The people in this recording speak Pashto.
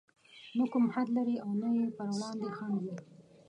نه کوم حد لري او نه يې پر وړاندې خنډ وي.